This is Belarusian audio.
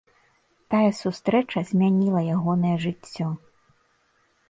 Тая сустрэча змяніла ягонае жыццё.